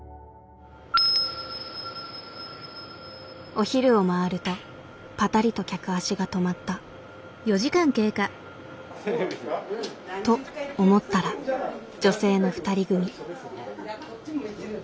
お昼を回るとぱたりと客足が止まった。と思ったら女性の２人組。